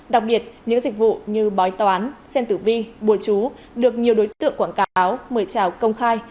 đặc biệt những dịch vụ như bói toán xem tử vi bùa chú được nhiều đối tượng quảng cáo mời trào công khai